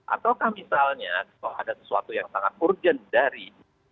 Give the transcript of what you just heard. ataukah misalnya kalau ada sesuatu yang sangat urgent dari